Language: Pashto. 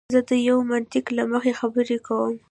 زه د یوه منطق له مخې خبره کوم.